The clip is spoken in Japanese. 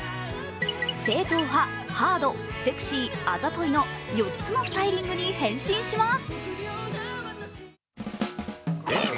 正統派、ハード、セクシーあざといの４つのスタイリングに変身します。